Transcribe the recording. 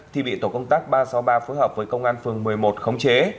thì bị tổ công tác ba trăm sáu mươi ba phối hợp với công an phường một mươi một khống chế